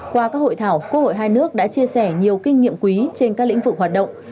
qua các hội thảo quốc hội hai nước đã chia sẻ nhiều kinh nghiệm quý trên các lĩnh vực hoạt động